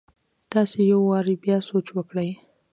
تاسي يو وار بيا سوچ وکړئ!